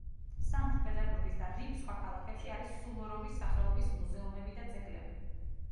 სანქტ-პეტერბურგის და რიგ სხვა ქალაქებში არის სუვოროვის სახელობის მუზეუმები და ძეგლები.